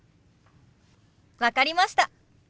分かりました。